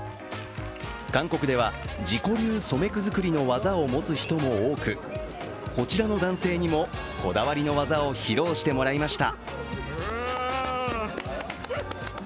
韓国では自己流・ソメク作りの技を持つ人も多くこちらの男性にもこだわりの技を披露してもらいました。